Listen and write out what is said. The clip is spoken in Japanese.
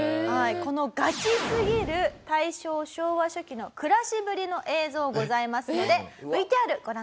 このガチすぎる大正昭和初期の暮らしぶりの映像ございますのでＶＴＲご覧ください。